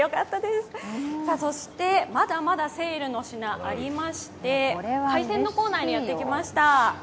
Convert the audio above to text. まだまだセールの品、ありまして、海鮮のコーナーにやってきました。